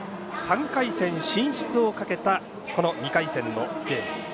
３回戦進出をかけたこの２回戦のゲーム。